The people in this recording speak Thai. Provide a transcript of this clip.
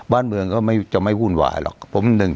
บ้านเมืองไม่จะห่วงหุ่นหวายหรอกปุ๊บหนึ่ง